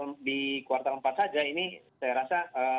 sehingga di kuartal empat saja ini saya rasa kondisinya